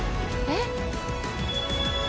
えっ？